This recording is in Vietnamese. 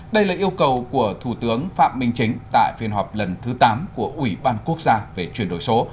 đây là yêu cầu của thủ tướng phạm minh chính tại phiên họp lần thứ tám của ủy ban quốc gia về chuyển đổi số